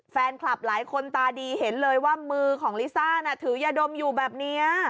แฟนคลับหลายคนตาดีเห็นเลยว่ามือของลิซ่าน่ะถือยาดมอยู่แบบนี้